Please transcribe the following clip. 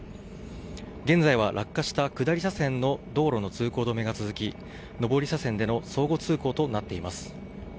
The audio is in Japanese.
現在は落下した下り車線の道路の通行止めが続き上り車線での相互通行となっています。